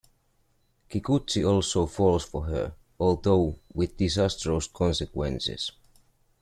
Kikuchi also falls for her, although with disastrous consequences.